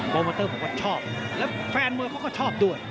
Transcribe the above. โปรเมอเตอร์ผมก็ชอบแล้วแฟนมวยเขาก็ชอบด้วย